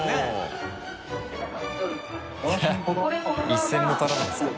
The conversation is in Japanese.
一銭も取らないですから。